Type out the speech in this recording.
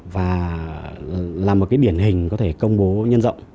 và là một cái điển hình có thể công bố nhân rộng